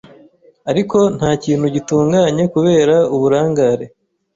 Ariko nta kintu gitunganye kubera uburangare